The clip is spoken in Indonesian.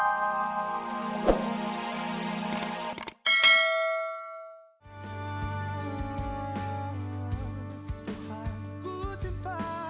sampai jumpa lagi